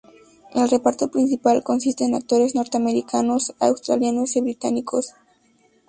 El reparto principal consiste en actores norteamericanos, australianos y británicos.